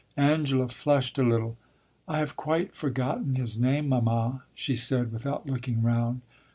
'" Angela flushed a little. "I have quite forgotten his name, mamma," she said, without looking round.